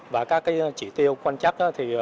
và các trị tiêu quan chắc